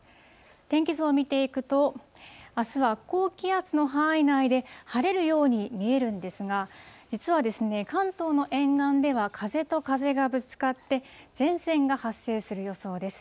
天気図を見ていくと、あすは高気圧の範囲内で、晴れるように見えるんですが、実は関東の沿岸では風と風がぶつかって、前線が発生する予想です。